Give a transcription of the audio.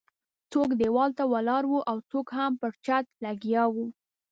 څوک ديوال ته ولاړ وو او څوک هم پر چت لګیا وو.